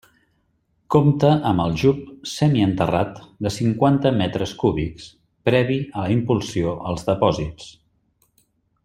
Compta amb aljub semienterrat de cinquanta metres cúbics, previ a la impulsió als depòsits.